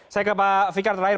saya ke pak fikar terakhir